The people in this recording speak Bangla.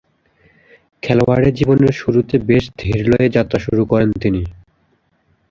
খেলোয়াড়ী জীবনের শুরুতে বেশ ধীরলয়ে যাত্রা শুরু করেন তিনি।